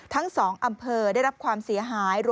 ทั้ง๒อำเภอได้รับความเสียหาย